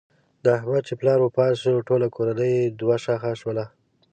د احمد چې پلار وفات شو ټوله کورنۍ یې دوه شاخه شوله.